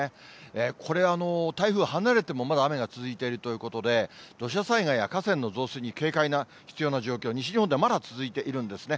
これ、台風離れてもまだ雨が続いているということで、土砂災害や河川の増水に警戒が必要な状況、西日本ではまだ続いているんですね。